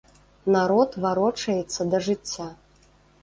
Народ варочаецца да жыцця.